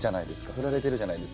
振られてるじゃないですか。